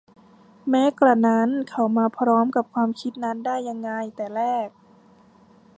แม้กระนั้น เขามาพร้อมกับความคิดนั้นได้ยังไงแต่แรก